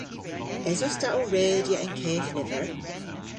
Esos ta ow redya an keth lyver?